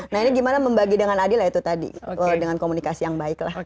nah ini gimana membagi dengan adil ya itu tadi dengan komunikasi yang baik lah